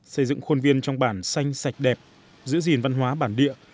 xây dựng khuôn viên trong bản xanh sạch đẹp giữ gìn văn hóa bản địa